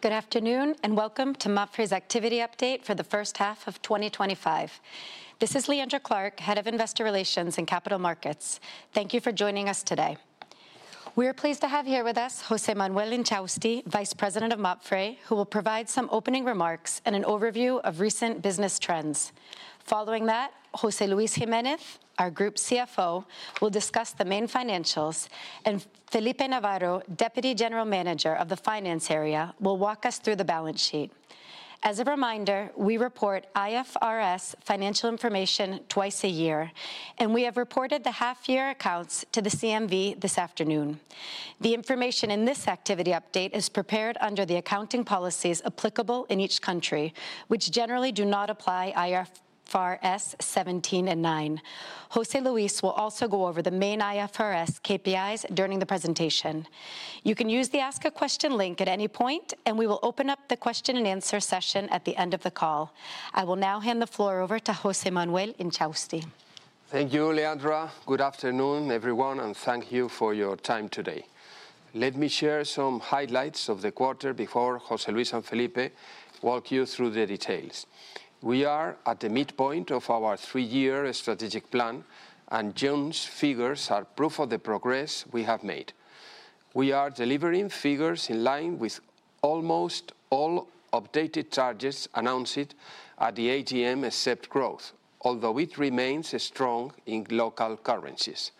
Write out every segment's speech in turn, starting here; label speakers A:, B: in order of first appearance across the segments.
A: Good afternoon and welcome to MAPFRE's activity update for the first half of 2025. This is Leandra Clark, Head of Investor Relations and Capital Markets. Thank you for joining us today. We are pleased to have here with us José Manuel Inchausti, Vice President of MAPFRE-*///////////, who will provide some opening remarks and an overview of recent business trends. Following that, José Luis Jiménez, our Group CFO, will discuss the main financials, and Felipe Navarro, Deputy General Manager of the Finance Area, will walk us through the balance sheet. As a reminder, we report IFRS financial information twice a year, and we have reported the half-year accounts to the CMV this afternoon. The information in this activity update is prepared under the accounting policies applicable in each country, which generally do not apply IFRS 17 and 9. José Luis will also go over the main IFRS KPIs during the presentation. You can use the Ask a Question link at any point, and we will open up the question and answer session at the end of the call. I will now hand the floor over to José Manuel Inchausti.
B: Thank you, Leandra. Good afternoon, everyone, and thank you for your time today. Let me share some highlights of the quarter before José Luis and Felipe walk you through the details. We are at the midpoint of our three-year strategic plan, and June's figures are proof of the progress we have made. We are delivering figures in line with almost all updated charges announced at the AGM, except growth, although it remains strong in local currencies.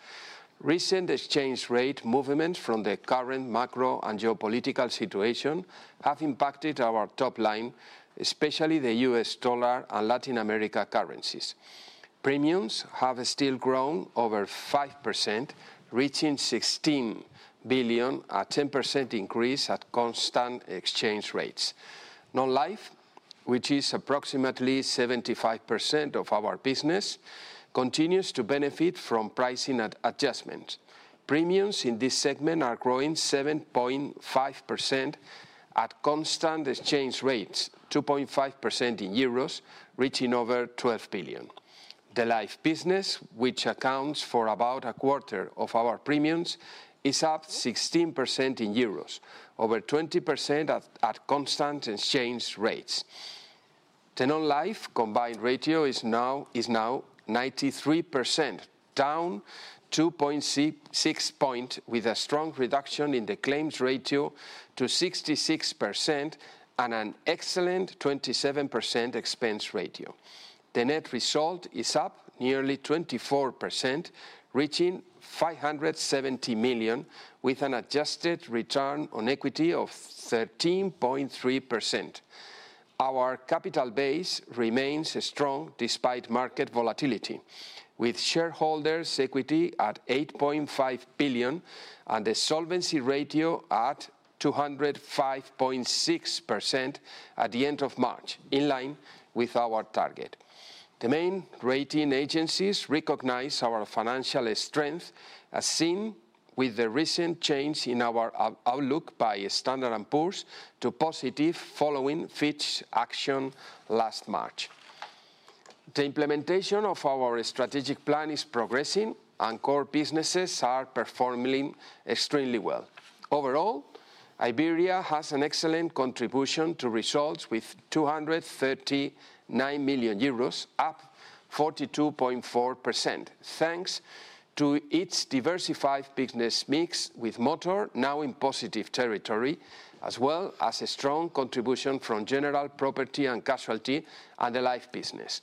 B: Recent exchange rate movements from the current macro and geopolitical situation have impacted our top line, especially the U.S. dollar and Latin America currencies. Premiums have still grown over 5%, reaching 16 billion, a 10% increase at constant exchange rates. Non-life, which is approximately 75% of our business, continues to benefit from pricing adjustments. Premiums in this segment are growing 7.5% at constant exchange rates, 2.5% in euros, reaching over 12 billion. The Life business, which accounts for about a quarter of our premiums, is up 16% in euros, over 20% at constant exchange rates. The Non-life combined ratio is now 93%, down 2.6 percentage points, with a strong reduction in the claims ratio to 66% and an excellent 27% expense ratio. The net result is up nearly 24%, reaching 570 million, with an adjusted return on equity of 13.3%. Our capital base remains strong despite market volatility, with shareholders' equity at 8.5 billion and the solvency ratio at 205.6% at the end of March, in line with our target. The main rating agencies recognize our financial strength as seen with the recent change in our outlook by Standard & Poor's to positive following Fitch's action last March. The implementation of our strategic plan is progressing, and core businesses are performing extremely well. Overall, Iberia has an excellent contribution to results with 239 million euros, up 42.4%, thanks to its diversified business mix with motor, now in positive territory, as well as a strong contribution from general property and casualty and the Life business.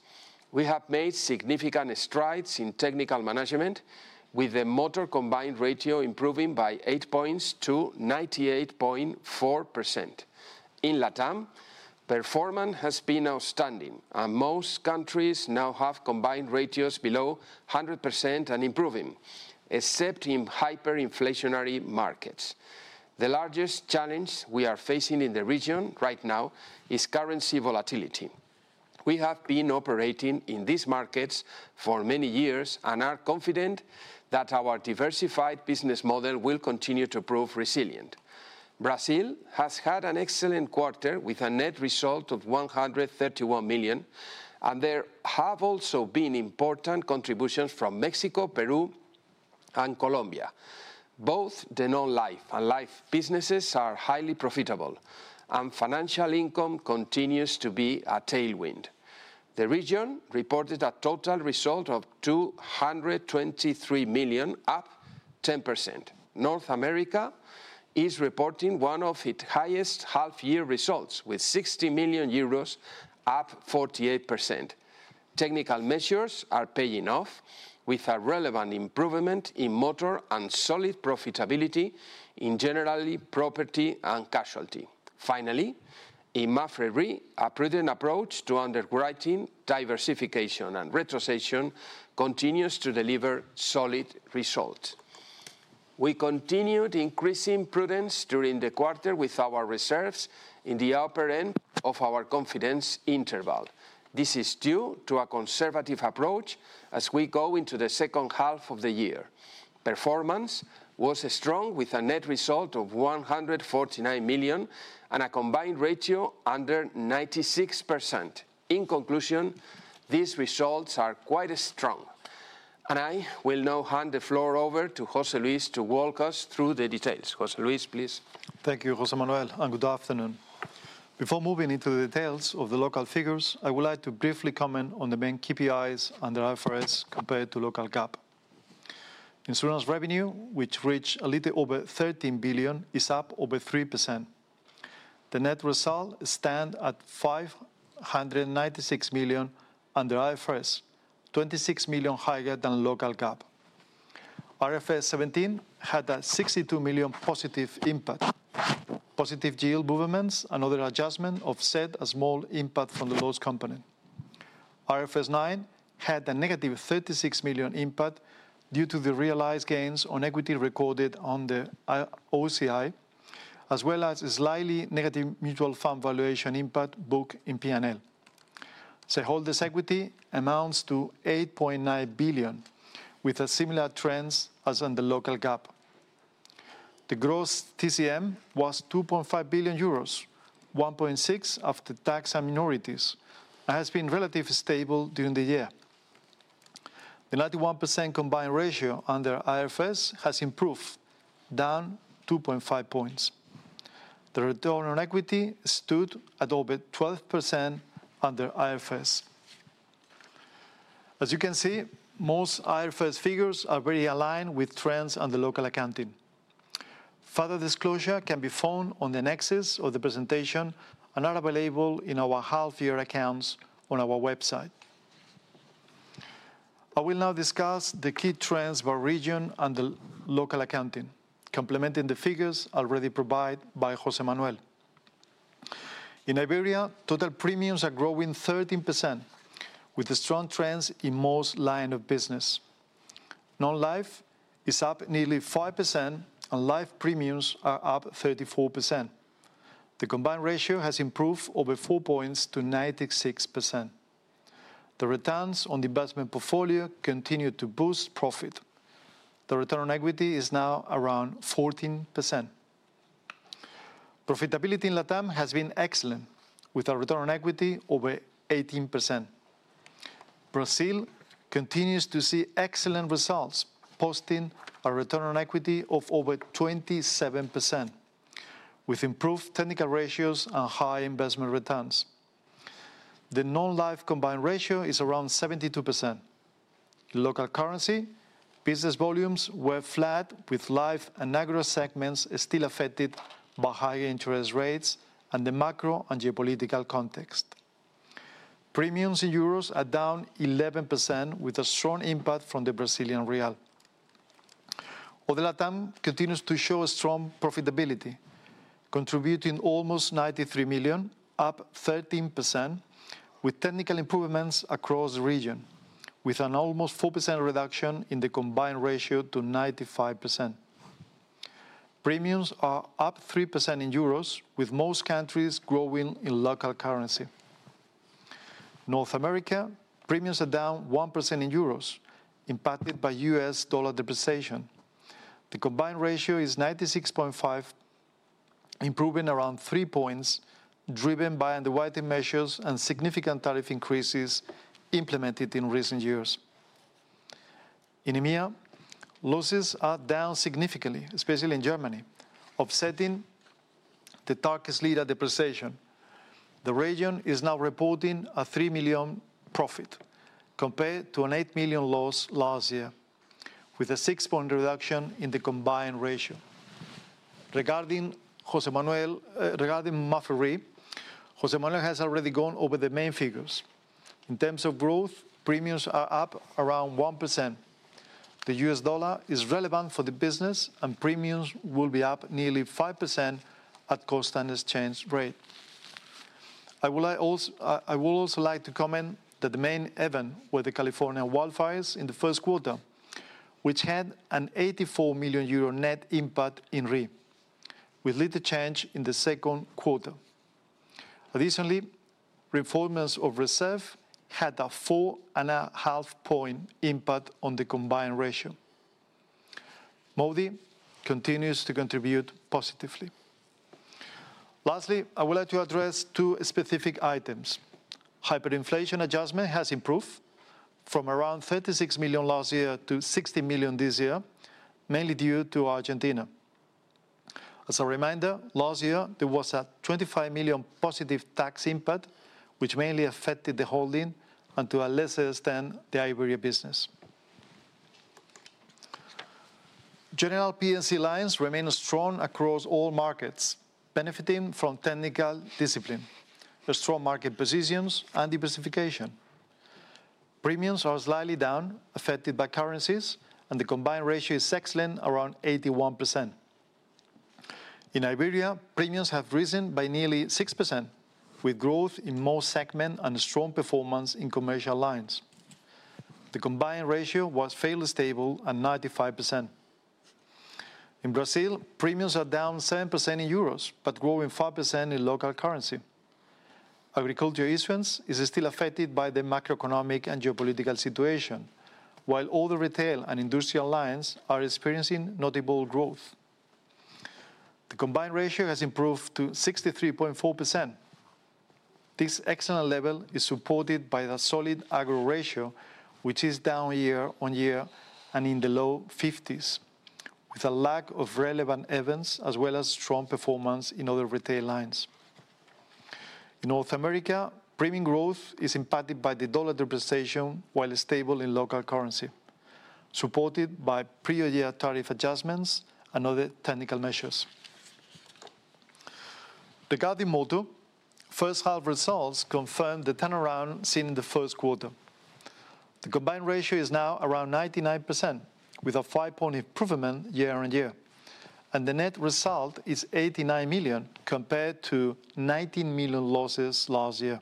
B: We have made significant strides in technical management, with the motor combined ratio improving by 8 percentage points to 98.4%. In Latin America, performance has been outstanding, and most countries now have combined ratios below 100% and improving, except in hyperinflationary markets. The largest challenge we are facing in the region right now is currency volatility. We have been operating in these markets for many years and are confident that our diversified business model will continue to prove resilient. Brazil has had an excellent quarter with a net result of 131 million, and there have also been important contributions from Mexico, Peru, and Colombia. Both the Non-life and Life businesses are highly profitable, and financial income continues to be a tailwind. The region reported a total result of 223 million, up 10%. North America is reporting one of its highest half-year results, with 60 million euros, up 48%. Technical measures are paying off, with a relevant improvement in motor and solid profitability in general property and casualty. Finally, in MAPFRE, a prudent approach to underwriting diversification and retrocession continues to deliver solid results. We continued increasing prudence during the quarter with our reserves in the upper end of our confidence interval. This is due to a conservative approach as we go into the second half of the year. Performance was strong, with a net result of 149 million and a combined ratio under 96%. In conclusion, these results are quite strong. I will now hand the floor over to José Luis to walk us through the details. José Luis, please.
C: Thank you, José Manuel, and good afternoon. Before moving into the details of the local figures, I would like to briefly comment on the main KPIs and the IFRS compared to local GAAP. Insurance revenue, which reached a little over 13 billion, is up over 3%. The net result stands at 596 million under IFRS, 26 million higher than local GAAP. IFRS 17 had a 62 million positive impact. Positive yield movements and other adjustments offset a small impact from the loss component. IFRS 9 had a negative 36 million impact due to the realized gains on equity recorded on the OCI, as well as a slightly negative mutual fund valuation impact booked in P&L. Shareholders' equity amounts to 8.9 billion, with similar trends as in the local GAAP. The gross TCM was 2.5 billion euros, 1.6 billion after tax and minorities, and has been relatively stable during the year. The 91% combined ratio under IFRS has improved, down 2.5 percentage points. The return on equity stood at over 12% under IFRS. As you can see, most IFRS figures are very aligned with trends on the local accounting. Further disclosure can be found on the annex of the presentation and are available in our half-year accounts on our website. I will now discuss the key trends by region and the local accounting, complementing the figures already provided by José Manuel. In Iberia, total premiums are growing 13%, with strong trends in most lines of business. Non-life is up nearly 5%, and Life premiums are up 34%. The combined ratio has improved over 4 percentage points to 96%. The returns on the investment portfolio continue to boost profit. The return on equity is now around 14%. Profitability in Latin America has been excellent, with a return on equity over 18%. Brazil continues to see excellent results, posting a return on equity of over 27%, with improved technical ratios and high investment returns. The nonlife combined ratio is around 72%. In local currency, business volumes were flat, with life and agro segments still affected by higher interest rates and the macro and geopolitical context. Premiums in euros are down 11%, with a strong impact from the Brazilian Real. Other Latin America continues to show strong profitability, contributing almost 93 million, up 13%, with technical improvements across the region, with an almost 4% reduction in the combined ratio to 95%. Premiums are up 3% in euros, with most countries growing in local currency. North America, premiums are down 1% in euros, impacted by US dollar depreciation. The combined ratio is 96.5%, improving around three points, driven by underwriting measures and significant tariff increases implemented in recent years. In EMEA, losses are down significantly, especially in Germany, offsetting the Turkish Lira's depreciation. The region is now reporting a 3 million profit compared to an 8 million loss last year, with a six point reduction in the combined ratio. Regarding MAPFRE, José Manuel has already gone over the main figures. In terms of growth, premiums are up around 1%. The US dollar is relevant for the business, and premiums will be up nearly 5% at constant exchange rate. I would also like to comment that the main event was the California wildfires in the first quarter, which had an 84 million euro net impact in REE, with little change in the second quarter. Additionally, reformers of reserve had a 4.5-point impact on the combined ratio. MAWDY continues to contribute positively. Lastly, I would like to address two specific items. Hyperinflation adjustment has improved from around 36 million last year to 60 million this year, mainly due to Argentina. As a reminder, last year there was an 25 million positive tax impact, which mainly affected the holding and to a lesser extent the Iberia business. General P&C lines remain strong across all markets, benefiting from technical discipline, strong market positions, and diversification. Premiums are slightly down, affected by currencies, and the combined ratio is excellent, around 81%. In Iberia, premiums have risen by nearly 6%, with growth in most segments and strong performance in commercial lines. The combined ratio was fairly stable at 95%. In Brazil, premiums are down 7% in euros but growing 5% in local currency. Agro insurance issuance is still affected by the macroeconomic and geopolitical situation, while all the retail and industrial lines are experiencing notable growth. The combined ratio has improved to 63.4%. This excellent level is supported by the solid agro ratio, which is down year-on-year and in the low 50s, with a lack of relevant events as well as strong performance in other retail lines. In North America, premium growth is impacted by the dollar depreciation while stable in local currency, supported by prior year tariff adjustments and other technical measures. Regarding Motor, first-half results confirmed the turnaround seen in the first quarter. The combined ratio is now around 99%, with a 5-point improvement year on year, and the net result is 89 million compared to 19 million losses last year.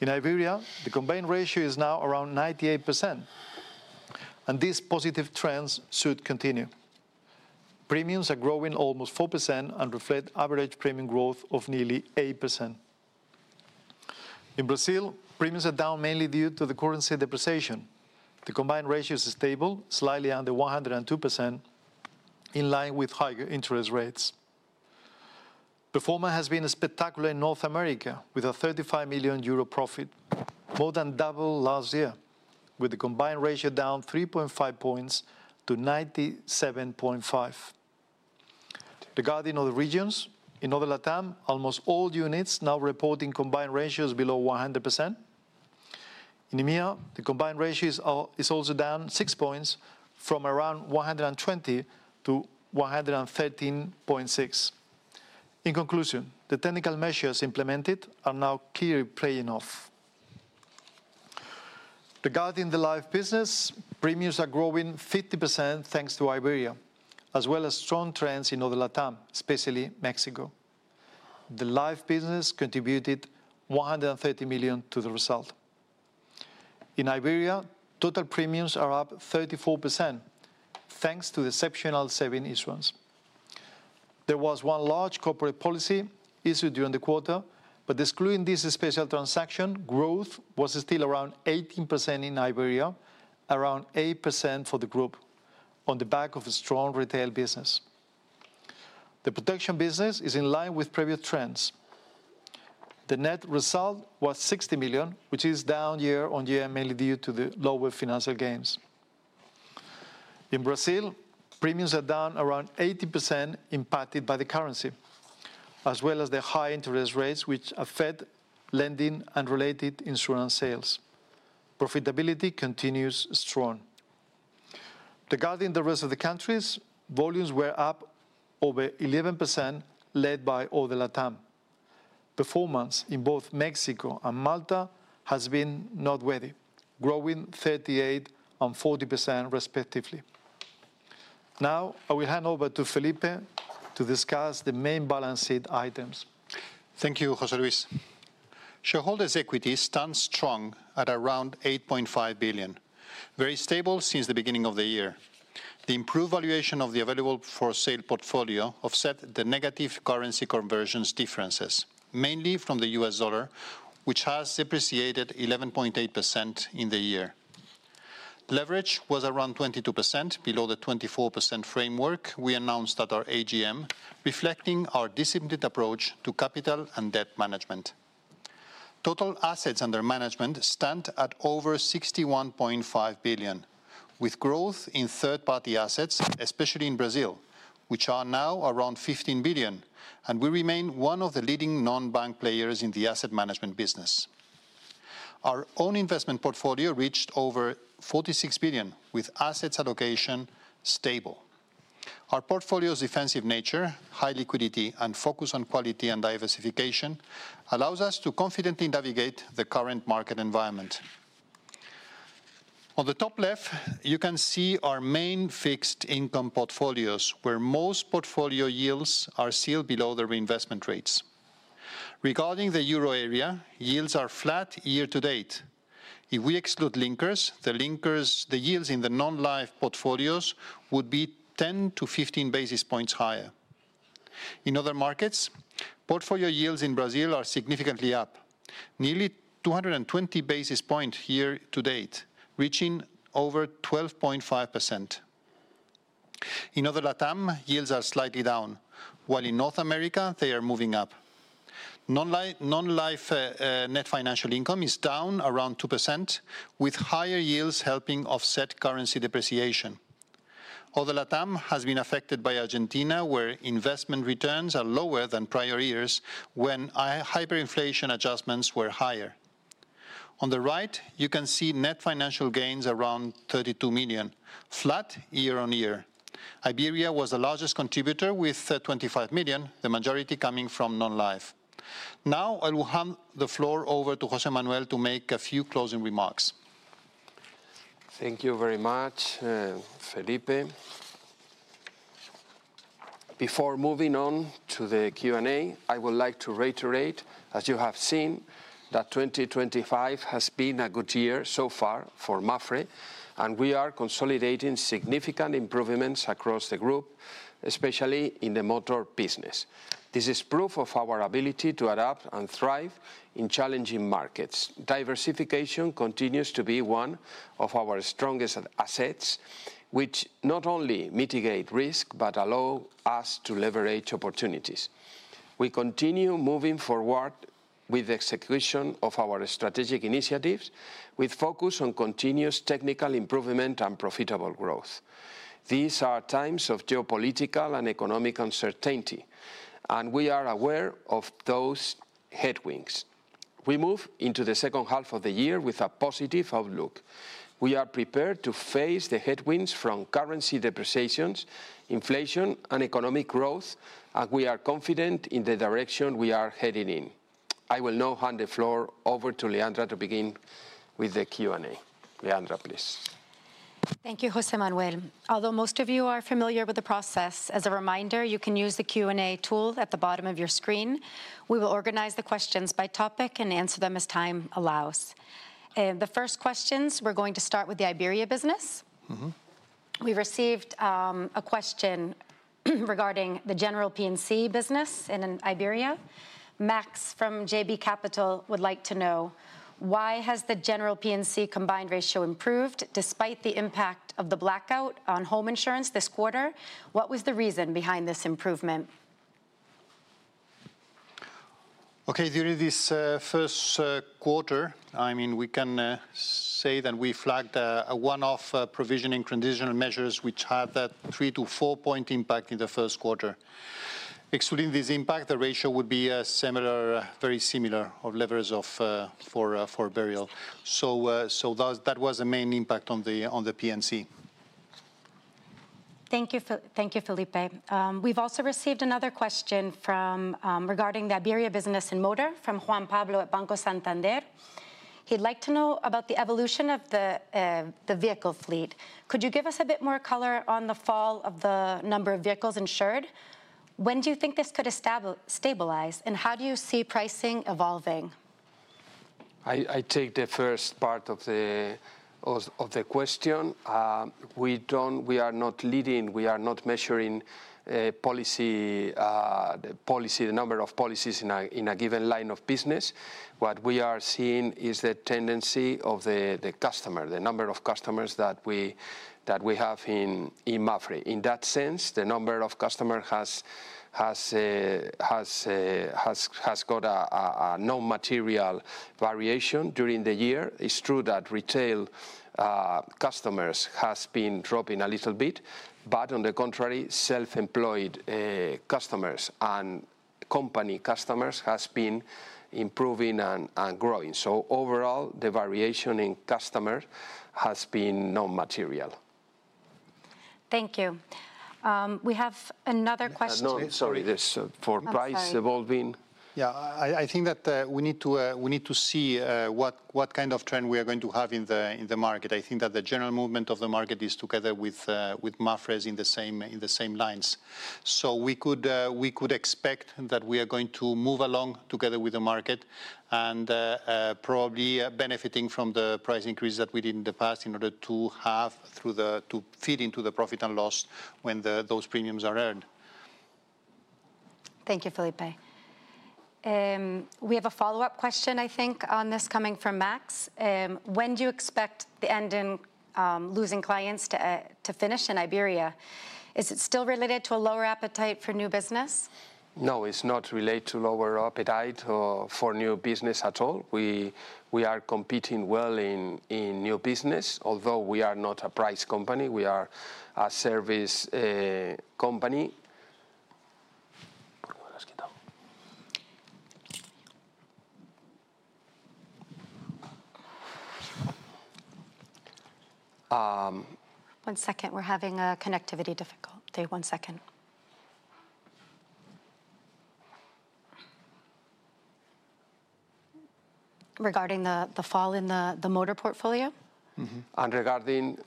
C: In Iberia, the combined ratio is now around 98%. These positive trends should continue. Premiums are growing almost 4% and reflect average premium growth of nearly 8%. In Brazil, premiums are down mainly due to the currency depreciation. The combined ratio is stable, slightly under 102%. In line with higher interest rates. Performance has been spectacular in North America, with an 35 million euro profit, more than double last year, with the combined ratio down 3.5 points to 97.5. Regarding other regions, in other Latin America, almost all units now reporting combined ratios below 100%. In EMEA, the combined ratio is also down six points, from around 120 to 113.6. In conclusion, the technical measures implemented are now clearly paying off. Regarding the Life business, premiums are growing 50% thanks to Iberia, as well as strong trends in other Latin America, especially Mexico. The life business contributed 130 million to the result. In Iberia, total premiums are up 34% thanks to the exceptional savings issuance. There was one large corporate policy issued during the quarter, but excluding this special transaction, growth was still around 18% in Iberia, around 8% for the group, on the back of a strong retail business. The protection business is in line with previous trends. The net result was $60 million, which is down year-on-year, mainly due to the lower financial gains. In Brazil, premiums are down around 80%, impacted by the currency, as well as the high interest rates, which affect lending and related insurance sales. Profitability continues strong. Regarding the rest of the countries, volumes were up over 11%, led by other Latin America. Performance in both Mexico and Malta has been noteworthy, growing 38% and 40%, respectively. Now, I will hand over to Felipe to discuss the main balance sheet items.
D: Thank you, José Luis. Shareholders' equity stands strong at around 8.5 billion, very stable since the beginning of the year. The improved valuation of the available for sale portfolio offset the negative currency conversion differences, mainly from the US dollar, which has depreciated 11.8% in the year. Leverage was around 22%, below the 24% framework we announced at our AGM, reflecting our disciplined approach to capital and debt management. Total assets under management stand at over 61.5 billion, with growth in third-party assets, especially in Brazil, which are now around 15 billion, and we remain one of the leading non-bank players in the asset management business. Our own investment portfolio reached over 46 billion, with assets allocation stable. Our portfolio's defensive nature, high liquidity, and focus on quality and diversification allows us to confidently navigate the current market environment. On the top left, you can see our main fixed income portfolios, where most portfolio yields are still below the reinvestment rates. Regarding the euro area, yields are flat year-to-date. If we exclude linkers, the yields in the Non-life portfolios would be 10-15 basis points higher. In other markets, portfolio yields in Brazil are significantly up, nearly 220 basis points year-to-date, reaching over 12.5%. In other Latin America, yields are slightly down, while in North America, they are moving up. Non-life net financial income is down around 2%, with higher yields helping offset currency depreciation. Other Latin America has been affected by Argentina, where investment returns are lower than prior years when hyperinflation adjustments were higher. On the right, you can see net financial gains around 32 million, flat year-on-year. Iberia was the largest contributor with 25 million, the majority coming from Non-life. Now, I will hand the floor over to José Manuel to make a few closing remarks.
B: Thank you very much, Felipe. Before moving on to the Q&A, I would like to reiterate, as you have seen, that 2024 has been a good year so far for MAPFRE, and we are consolidating significant improvements across the group, especially in the motor business. This is proof of our ability to adapt and thrive in challenging markets. Diversification continues to be one of our strongest assets, which not only mitigates risk but allows us to leverage opportunities. We continue moving forward with the execution of our strategic initiatives, with focus on continuous technical improvement and profitable growth. These are times of geopolitical and economic uncertainty, and we are aware of those headwinds. We move into the second half of the year with a positive outlook. We are prepared to face the headwinds from currency depreciation, inflation, and economic growth, and we are confident in the direction we are heading in. I will now hand the floor over to Leandra to begin with the Q&A. Leandra, please.
A: Thank you, José Manuel. Although most of you are familiar with the process, as a reminder, you can use the Q&A tool at the bottom of your screen. We will organize the questions by topic and answer them as time allows. The first questions, we're going to start with the Iberia business. We received a question regarding the general P&C business in Iberia. Max from JB Capital would like to know, why has the general P&C combined ratio improved despite the impact of the blackout on home insurance this quarter? What was the reason behind this improvement?
D: Okay, during this first quarter, I mean, we can say that we flagged a one-off provision in transitional measures, which had a 3 to 4-point impact in the first quarter. Excluding this impact, the ratio would be similar, very similar to levers for burial. So that was the main impact on the P&C.
A: Thank you, Felipe. We've also received another question regarding the Iberia business in motor from Juan Pablo at Banco Santander. He'd like to know about the evolution of the vehicle fleet. Could you give us a bit more color on the fall of the number of vehicles insured? When do you think this could stabilize, and how do you see pricing evolving?
B: I take the first part of the question. We are not leading, we are not measuring policy, the number of policies in a given line of business. What we are seeing is the tendency of the customer, the number of customers that we have in MAPFRE. In that sense, the number of customers has got a non-material variation during the year. It's true that retail customers have been dropping a little bit, but on the contrary, self-employed customers and company customers have been improving and growing. Overall, the variation in customers has been non-material.
A: Thank you. We have another question.
B: Sorry, for price evolving.
D: Yeah, I think that we need to see what kind of trend we are going to have in the market. I think that the general movement of the market is together with MAPFRE in the same lines. We could expect that we are going to move along together with the market and probably benefiting from the price increase that we did in the past in order to feed into the profit and loss when those premiums are earned.
A: Thank you, Felipe. We have a follow-up question, I think, on this coming from Max. When do you expect the end in losing clients to finish in Iberia? Is it still related to a lower appetite for new business?
B: No, it's not related to lower appetite for new business at all. We are competing well in new business, although we are not a price company. We are a service company.
A: One second, we're having a connectivity difficulty. One second. Regarding the fall in the motor portfolio?
B: And regarding.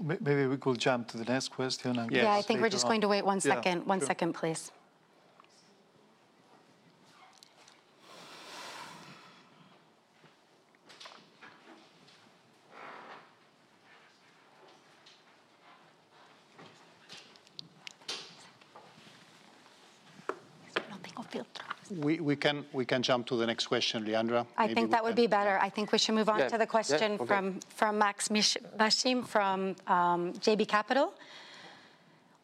C: Maybe we could jump to the next question and get started.
A: Yeah, I think we're just going to wait one second. One second, please.
C: We can jump to the next question, Leandra.
A: I think that would be better. I think we should move on to the question from Maksym Mishyn from JB Capital.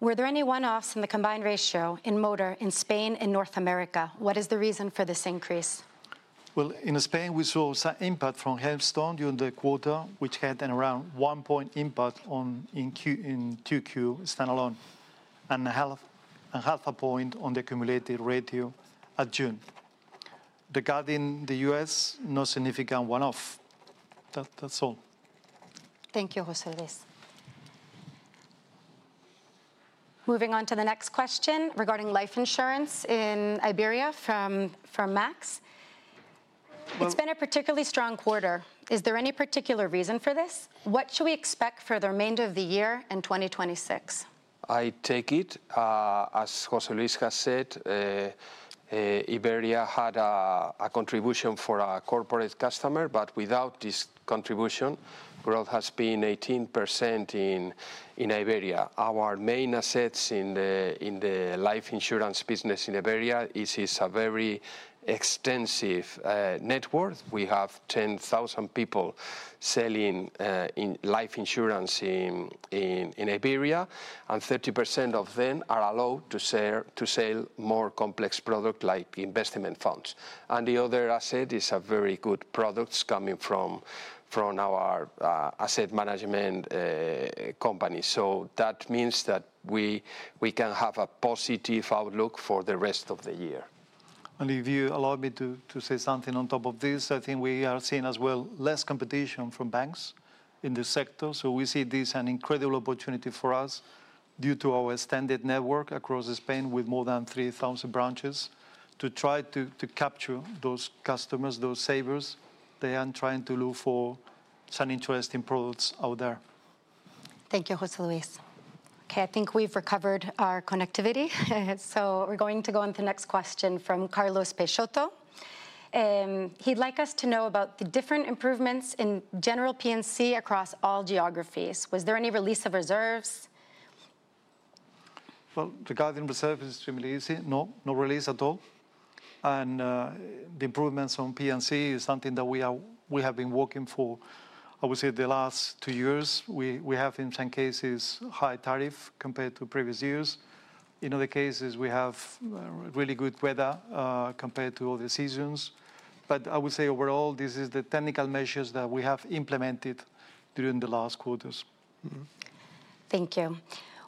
A: Were there any one-offs in the combined ratio in motor in Spain and North America? What is the reason for this increase?
C: In Spain, we saw some impact from hailstorm during the quarter, which had an around one-point impact on in Q2 standalone and a half a point on the accumulated ratio at June. Regarding the U.S., no significant one-off. That's all.
A: Thank you, José Luis. Moving on to the next question regarding life insurance in Iberia from Max. It's been a particularly strong quarter. Is there any particular reason for this? What should we expect for the remainder of the year in 2026?
B: I take it. As José Luis has said. Iberia had a contribution for a corporate customer, but without this contribution, growth has been 18% in Iberia. Our main assets in the life insurance business in Iberia is a very extensive network. We have 10,000 people selling life insurance in Iberia, and 30% of them are allowed to sell more complex products like investment funds. The other asset is very good products coming from our asset management company. That means that we can have a positive outlook for the rest of the year.
C: If you allow me to say something on top of this, I think we are seeing as well less competition from banks in this sector. We see this as an incredible opportunity for us due to our extended network across Spain with more than 3,000 branches to try to capture those customers, those savers. They are trying to look for some interesting products out there.
A: Thank you, José Luis. Okay, I think we've recovered our connectivity. We are going to go on to the next question from Carlos Peixoto. He'd like us to know about the different improvements in general P&C across all geographies. Was there any release of reserves?
C: Regarding reserves, it's pretty easy. No release at all. The improvements on P&C is something that we have been working for, I would say, the last two years. We have, in some cases, high tariffs compared to previous years. In other cases, we have really good weather compared to other seasons. I would say overall, this is the technical measures that we have implemented during the last quarters.
A: Thank you.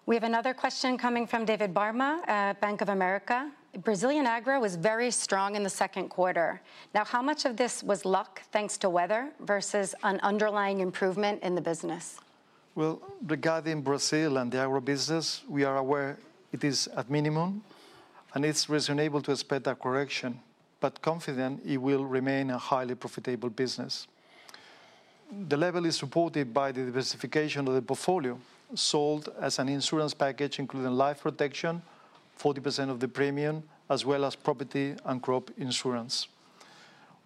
A: We have another question coming from David Barma, Bank of America. Brazilian agro was very strong in the second quarter. Now, how much of this was luck thanks to weather versus an underlying improvement in the business?
C: Regarding Brazil and the agro business, we are aware it is at minimum, and it's reasonable to expect a correction, but confident it will remain a highly profitable business. The level is supported by the diversification of the portfolio sold as an insurance package, including life protection, 40% of the premium, as well as property and crop insurance.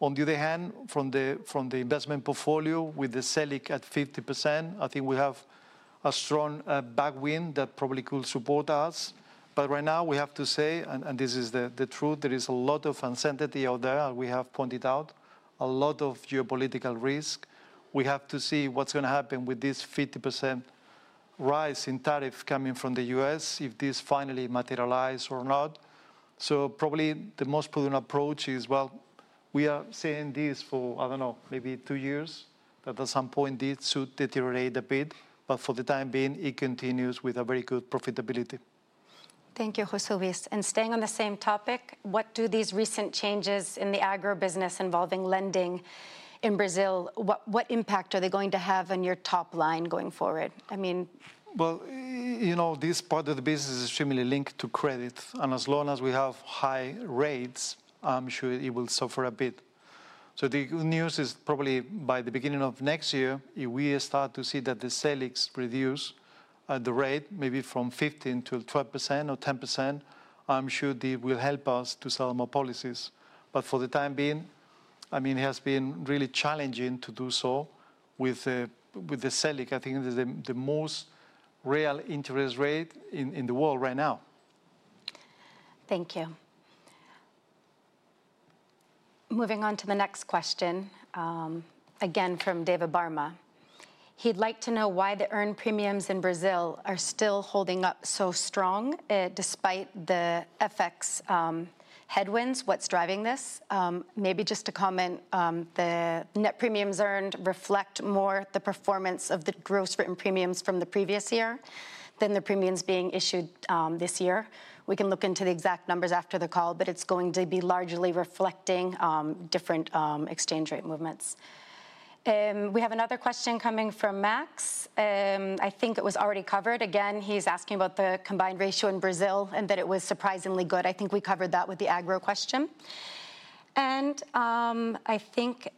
C: On the other hand, from the investment portfolio with the SELIC at 50%, I think we have a strong backwind that probably could support us. Right now, we have to say, and this is the truth, there is a lot of uncertainty out there, as we have pointed out, a lot of geopolitical risk. We have to see what's going to happen with this 50% rise in tariffs coming from the U.S., if this finally materializes or not. Probably the most prudent approach is, we are seeing this for, I don't know, maybe two years, that at some point this should deteriorate a bit, but for the time being, it continues with very good profitability.
A: Thank you, José Luis. Staying on the same topic, what do these recent changes in the agro business involving lending in Brazil, what impact are they going to have on your top line going forward? I mean.
C: This part of the business is extremely linked to credit. As long as we have high rates, I'm sure it will suffer a bit. The good news is probably by the beginning of next year, if we start to see that the SELICs reduce the rate, maybe from 15% to 12% or 10%, I'm sure it will help us to sell more policies. For the time being, I mean, it has been really challenging to do so with the SELIC. I think it is the most real interest rate in the world right now.
A: Thank you. Moving on to the next question. Again from David Barma. He'd like to know why the earned premiums in Brazil are still holding up so strong despite the FX headwinds. What's driving this? Maybe just to comment, the net premiums earned reflect more the performance of the gross written premiums from the previous year than the premiums being issued this year. We can look into the exact numbers after the call, but it's going to be largely reflecting different exchange rate movements. We have another question coming from Max. I think it was already covered. Again, he's asking about the combined ratio in Brazil and that it was surprisingly good. I think we covered that with the agro question. I think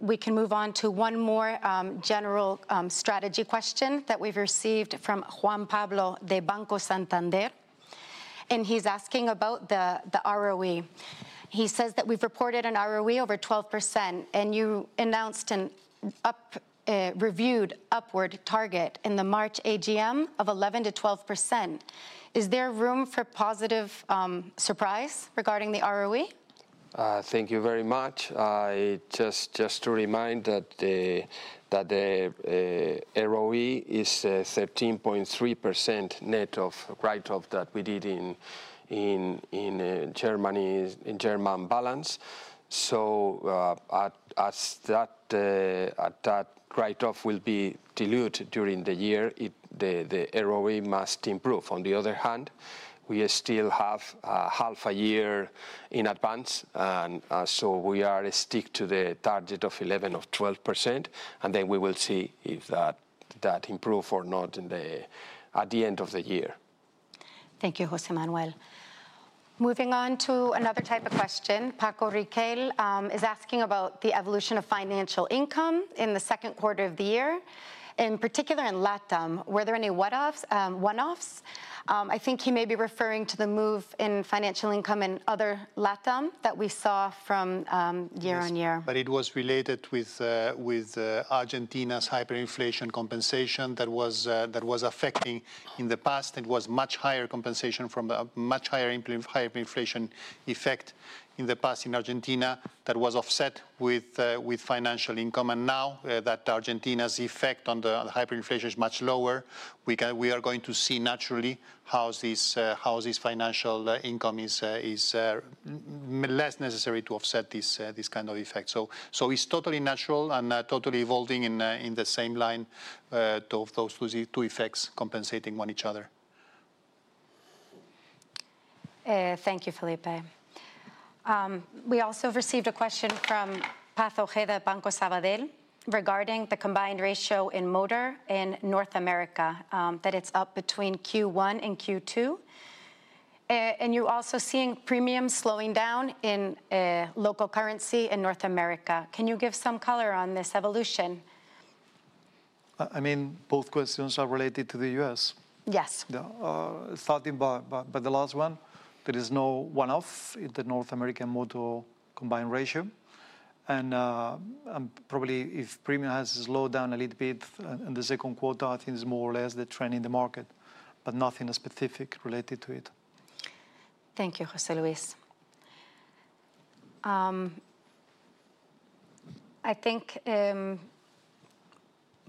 A: we can move on to one more general strategy question that we've received from Juan Pablo de Banco Santander. He's asking about the ROE. He says that we've reported an ROE over 12%, and you announced a reviewed upward target in the March AGM of 11 to 12%. Is there room for positive surprise regarding the ROE?
B: Thank you very much. Just to remind that the ROE is 13.3% net of write-off that we did in Germany's German balance. That write-off will be diluted during the year, the ROE must improve. On the other hand, we still have half a year in advance, and we are sticking to the target of 11% or 12%, and then we will see if that improves or not at the end of the year.
A: Thank you, José Manuel. Moving on to another type of question. Paco Riquel is asking about the evolution of financial income in the second quarter of the year, in particular in LATAM. Were there any one-offs? I think he may be referring to the move in financial income in other LATAM that we saw from year-on-year.
D: It was related with Argentina's hyperinflation compensation that was affecting in the past. It was much higher compensation from a much higher hyperinflation effect in the past in Argentina that was offset with financial income. Now that Argentina's effect on the hyperinflation is much lower, we are going to see naturally how this financial income is less necessary to offset this kind of effect. It is totally natural and totally evolving in the same line of those two effects compensating one each other.
A: Thank you, Felipe. We also received a question from Paz Ojeda Banco Sabadell regarding the combined ratio in motor in North America, that it's up between Q1 and Q2. You're also seeing premiums slowing down in local currency in North America. Can you give some color on this evolution?
C: I mean, both questions are related to the U.S.
D: Yes.
C: Starting by the last one, there is no one-off in the North American motor combined ratio. Probably if premium has slowed down a little bit in the second quarter, I think it's more or less the trend in the market, but nothing specific related to it.
A: Thank you, José Luis. I think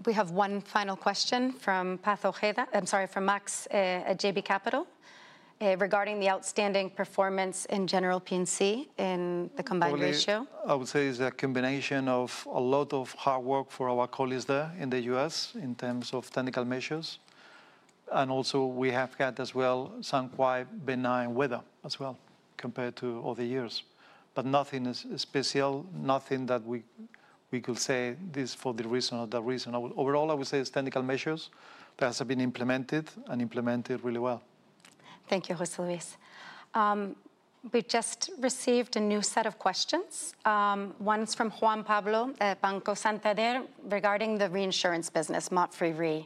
A: we have one final question from Paz Ojeda, I'm sorry, from Max at JB Capital regarding the outstanding performance in general P&C in the combined ratio.
C: I would say it's a combination of a lot of hard work for our colleagues there in the U.S. in terms of technical measures. I would also say we have had as well some quite benign weather as well compared to other years, but nothing special, nothing that we could say this is the reason or the reason. Overall, I would say it's technical measures that have been implemented and implemented really well.
A: Thank you, José Luis. We just received a new set of questions. One's from Juan Pablo de Banco Santander regarding the reinsurance business, MAPFRE.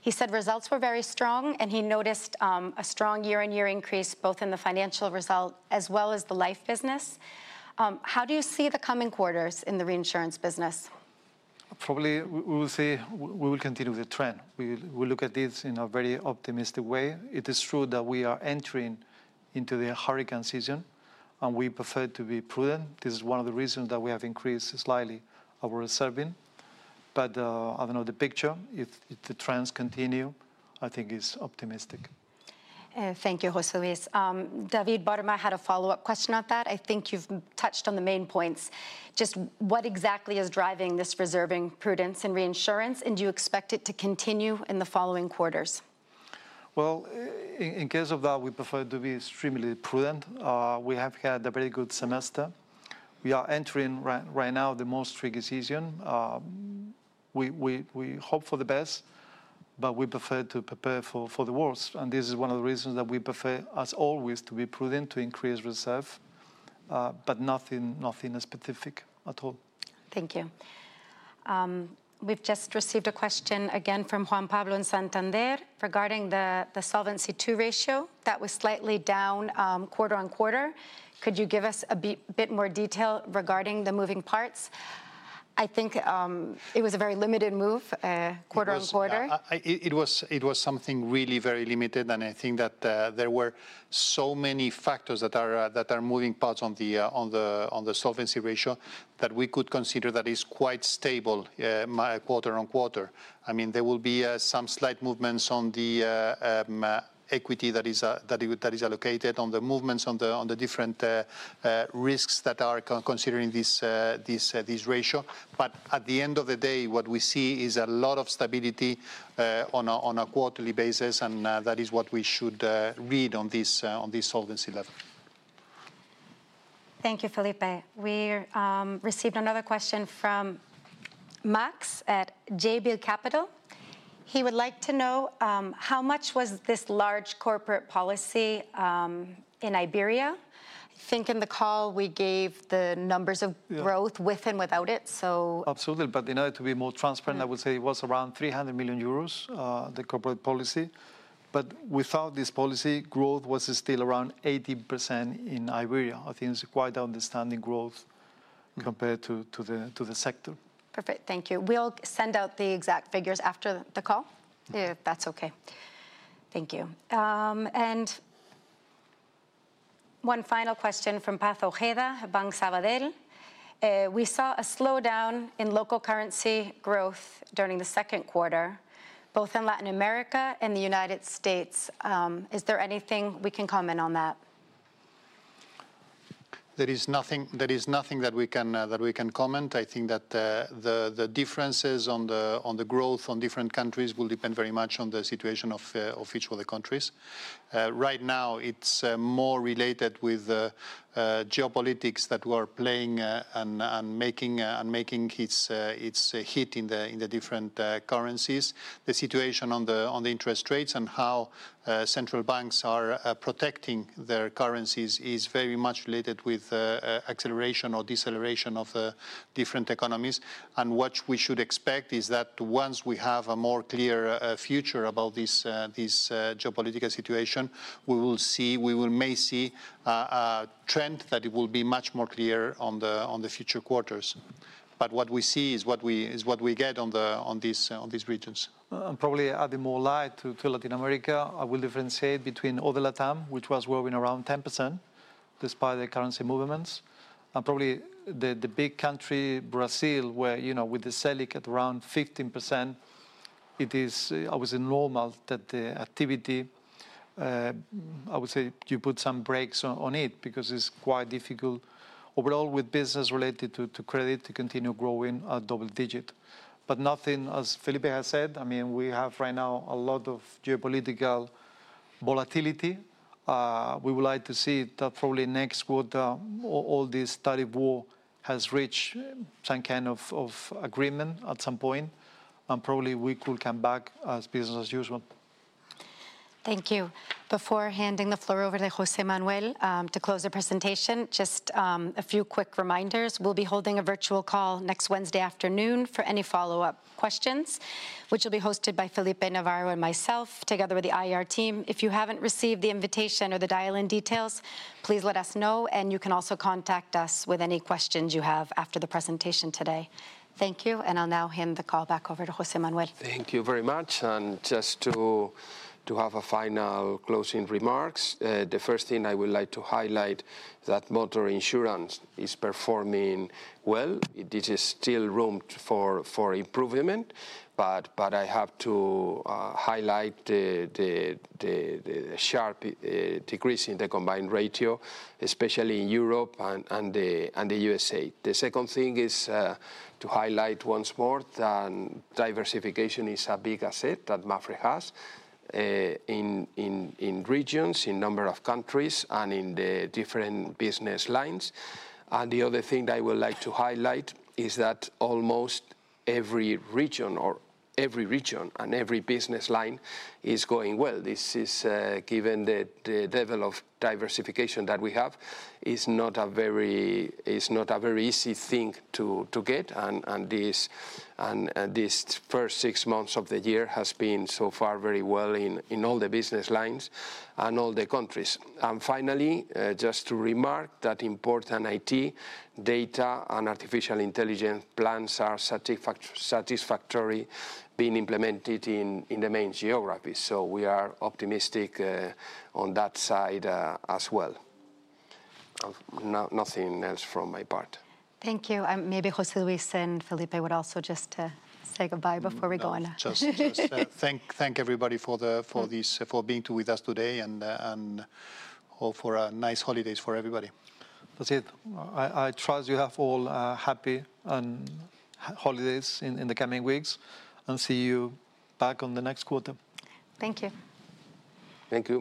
A: He said results were very strong, and he noticed a strong year-on-year increase both in the financial result as well as the life business. How do you see the coming quarters in the reinsurance business?
C: Probably we will say we will continue the trend. We will look at this in a very optimistic way. It is true that we are entering into the hurricane season, and we prefer to be prudent. This is one of the reasons that we have increased slightly our reserving. I do not know the picture. If the trends continue, I think it is optimistic.
A: Thank you, José Luis. David Barma had a follow-up question on that. I think you've touched on the main points. Just what exactly is driving this reserving prudence in reinsurance, and do you expect it to continue in the following quarters?
C: In case of that, we prefer to be extremely prudent. We have had a very good semester. We are entering right now the most tricky season. We hope for the best, but we prefer to prepare for the worst. This is one of the reasons that we prefer, as always, to be prudent, to increase reserve. Nothing specific at all.
A: Thank you. We've just received a question again from Juan Pablo in Santander regarding the Solvency II ratio that was slightly down quarter on quarter. Could you give us a bit more detail regarding the moving parts? I think it was a very limited move quarter on quarter.
D: It was something really very limited, and I think that there were so many factors that are moving parts on the solvency ratio that we could consider that is quite stable quarter on quarter. I mean, there will be some slight movements on the equity that is allocated, on the movements on the different risks that are considering this ratio. At the end of the day, what we see is a lot of stability on a quarterly basis, and that is what we should read on this solvency level.
A: Thank you, Felipe. We received another question from Max at JB Capital. He would like to know how much was this large corporate policy in Iberia. I think in the call we gave the numbers of growth with and without it, so.
C: Absolutely. In order to be more transparent, I would say it was around 300 million euros, the corporate policy. Without this policy, growth was still around 80% in Iberia. I think it's quite an understanding growth compared to the sector.
A: Perfect. Thank you. We'll send out the exact figures after the call, if that's okay. Thank you. One final question from Paz Ojeda, Banco Sabadell. We saw a slowdown in local currency growth during the second quarter, both in Latin America and the United States. Is there anything we can comment on that?
D: There is nothing that we can comment. I think that the differences on the growth in different countries will depend very much on the situation of each of the countries. Right now, it's more related with geopolitics that we are playing and making its hit in the different currencies. The situation on the interest rates and how central banks are protecting their currencies is very much related with acceleration or deceleration of the different economies. What we should expect is that once we have a more clear future about this geopolitical situation, we will see, we may see a trend that it will be much more clear on the future quarters. What we see is what we get on these regions.
C: Probably adding more light to Latin America, I will differentiate between all the LATAM, which was growing around 10% despite the currency movements, and probably the big country, Brazil, where with the SELIC at around 15%. It is, I would say, normal that the activity, I would say, you put some brakes on it because it's quite difficult overall with business related to credit to continue growing at double digit. Nothing, as Felipe has said, I mean, we have right now a lot of geopolitical volatility. We would like to see that probably next quarter all this study board has reached some kind of agreement at some point, and probably we could come back as business as usual.
A: Thank you. Before handing the floor over to José Manuel to close the presentation, just a few quick reminders. We will be holding a virtual call next Wednesday afternoon for any follow-up questions, which will be hosted by Felipe Navarro and myself together with the IER team. If you have not received the invitation or the dial-in details, please let us know, and you can also contact us with any questions you have after the presentation today. Thank you. I will now hand the call back over to José Manuel.
B: Thank you very much. Just to have a final closing remarks, the first thing I would like to highlight is that motor insurance is performing well. There is still room for improvement, but I have to highlight the sharp decrease in the combined ratio, especially in Europe and the U.S.A. The second thing is to highlight once more that diversification is a big asset that MAPFRE has, in regions, in number of countries, and in the different business lines. The other thing that I would like to highlight is that almost every region or every region and every business line is going well. This is given the level of diversification that we have, it is not a very easy thing to get. These first six months of the year has been so far very well in all the business lines and all the countries. Finally, just to remark that import and IT, data, and artificial intelligence plans are satisfactorily being implemented in the main geography. We are optimistic on that side as well. Nothing else from my part.
A: Thank you. Maybe José Luis and Felipe would also just say goodbye before we go on.
D: Thank everybody for being with us today. Hope for nice holidays for everybody. That's it.
C: I trust you have all happy holidays in the coming weeks and see you back on the next quarter.
A: Thank you.
B: Thank you.